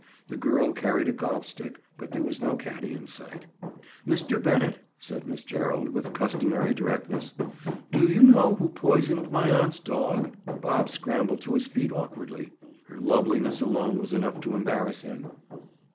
The girl carried a golf stick, but there was no caddy in sight. "Mr. Bennett," said Miss Gerald, with customary directness, "do you know who poisoned my aunt's dog?" Bob scrambled to his feet awkwardly. Her loveliness alone was enough to embarrass him.